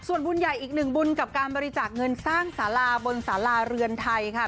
ส่วนบุญใหญ่อีกหนึ่งบุญกับการบริจาคเงินสร้างสาราบนสาราเรือนไทยค่ะ